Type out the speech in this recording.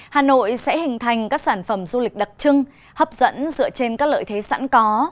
hà nội sẽ hình thành các sản phẩm du lịch đặc trưng hấp dẫn dựa trên các lợi thế sẵn có